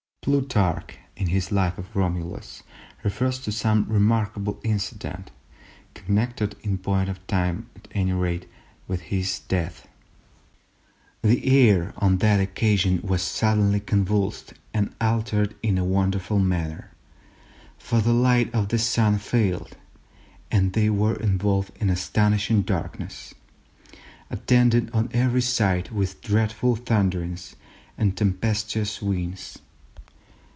Plutarch, in his Life of Romulus, refers to some remarkable incident connected, in point of time at any rate, with his death:—"The air on that occasion was suddenly convulsed and altered in a wonderful manner, for the light of the Sun failed, and they were involved in an astonishing darkness, attended on every side with dreadful thunderings and tempestuous winds."